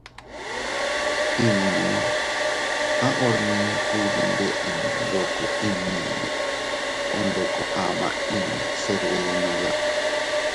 Innu..- A hormin kugbi ndeʼen ndoko inñiinne o ndoko ama inña se dbenoya.